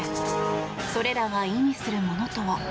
それらが意味するものとは。